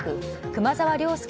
熊澤良介